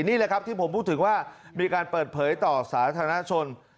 นี่แหละครับที่ผมพูดถึงว่ามีการเปิดเผยต่อสาธารณชน